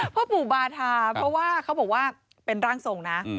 พ่อปู่บาธาเพราะว่าเขาบอกว่าเป็นร่างทรงนะ